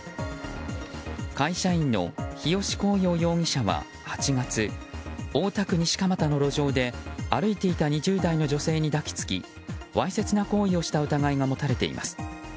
会社員の日吉浩陽容疑者は８月大田区西蒲田の路上で歩いていた２０代の女性に抱き付きわいせつな行為をした疑いが持たれています。